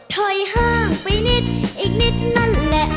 ถอยห้างไปนิดอีกนิดนั่นแหละ